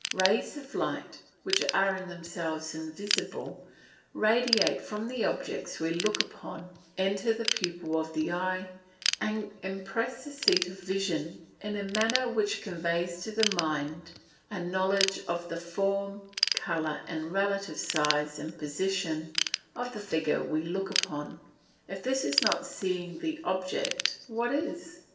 Rays of light, which are in themselves invisible, radiate from the objects we look upon, enter the pupil of the eye, and impress the seat of vision in a manner which conveys to the mind a knowledge of the form, colour, and relative size and position of the figure we look upon. If this is not seeing the object what is?